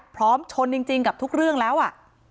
พร้อมชนจริงจริงกับทุกเรื่องแล้วอ่ะ